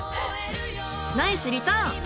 ナイスリターン！